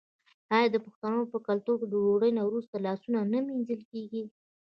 آیا د پښتنو په کلتور کې د ډوډۍ نه وروسته لاسونه نه مینځل کیږي؟